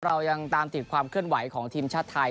เรายังตามติดความเคลื่อนไหวของทีมชาติไทย